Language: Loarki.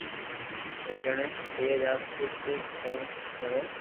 او جڻي پينوا جاتو تو صرف پئنچ گھرو